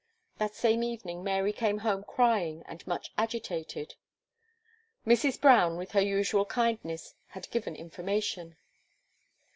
That same evening, Mary came home crying, and much agitated. Mrs. Brown, with her usual kindness, had given information.